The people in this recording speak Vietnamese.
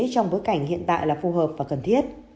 trong bối cảnh hiện tại là phù hợp và cần thiết